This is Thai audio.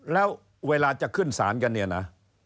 แล้วเวลาจะขึ้นศาลกันเนี่ยนะ